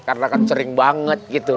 karena kan sering banget gitu